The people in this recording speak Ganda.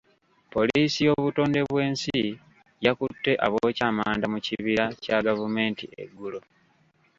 Poliisi y'obutondebwensi yakutte abookya amanda mu kibira kya gavumenti eggulo.